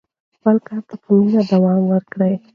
خپل کار ته په مینه دوام ورکړه.